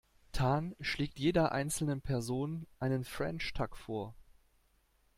Tan schlägt jeder einzelnen Person einen French Tuck vor.